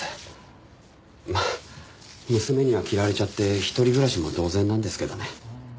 まあ娘には嫌われちゃって一人暮らしも同然なんですけどね。